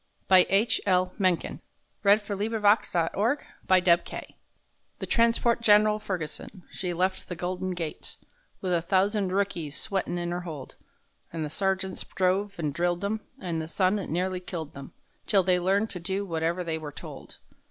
THE TRANSPORT GEN'RAL FERGUSON The transport Gen'ral Ferguson, she left the Golden Gate, With a thousand rookies sweatin' in her hold; An' the sergeants drove an' drilled them, an' the sun it nearly killed them,— Till they learned to do whatever they were told.